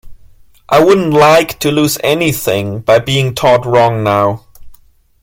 I wouldn't like to lose anything by being taught wrong now.